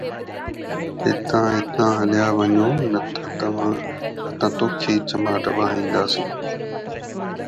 ھتان ھتان ھليو وڃو نه ته توکي چماٽ وهائينداسين